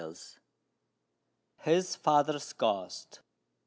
HIS FATHER'S GHOST.